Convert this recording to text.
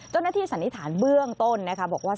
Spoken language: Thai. เจ้าหน้าที่สันนิษฐานเบื้องต้นบอกว่า